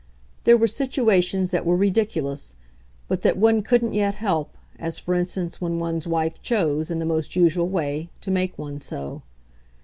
There were situations that were ridiculous, but that one couldn't yet help, as for instance when one's wife chose, in the most usual way, to make one so.